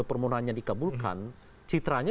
permohonannya dikabulkan citranya